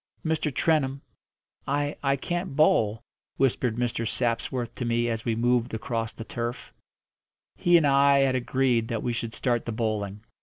"Mr. Trentham, I I can't bowl," whispered Mr. Sapsworth to me as we moved across the turf. He and I had agreed that we should start the bowling.